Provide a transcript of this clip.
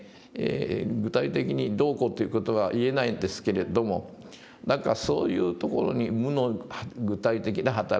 具体的にどうこうという事は言えないんですけれども何かそういうところに無の具体的な働き。